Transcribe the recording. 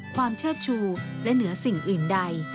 ความเชื่อชูและเหนือสิ่งอื่นใด